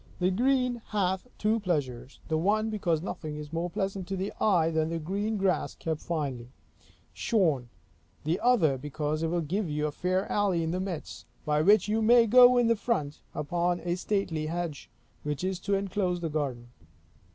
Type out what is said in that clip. The green hath two pleasures: the one, because nothing is more pleasant to the eye than green grass kept finely shorn; the other, because it will give you a fair alley in the midst, by which you may go in front upon a stately hedge, which is to enclose the garden.